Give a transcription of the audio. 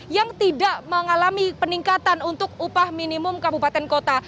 yang tidak mengalami peningkatan untuk upah minimum kabupaten kota